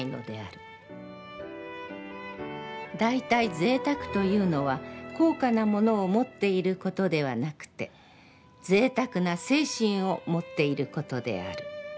だいたい贅沢というのは高価なものを持っていることではなくて、贅沢な精神を持っていることである。